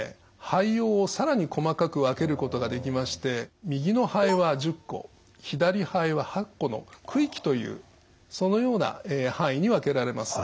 肺葉を更に細かく分けることができまして右の肺は１０個左肺は８個の区域というそのような範囲に分けられます。